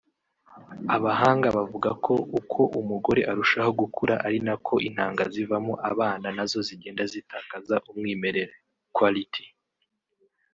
Abahanga bavuga ko uko umugore arushaho gukura ari nako intanga zivamo abana nazo zigenda zitakaza umwimerere (quality)